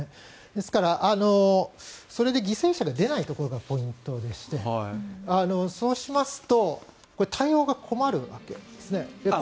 ですから、それで犠牲者が出ないところがポイントでしてそうしますと対応が困るわけですね。